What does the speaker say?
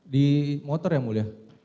di motor yang mulia